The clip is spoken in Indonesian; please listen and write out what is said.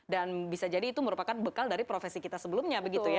dan bisa jadi itu merupakan bekal dari profesi kita sebelumnya begitu ya